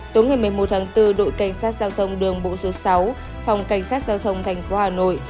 tối ngày một mươi một tháng bốn đội cảnh sát giao thông đường bộ số sáu phòng cảnh sát giao thông tp hà nội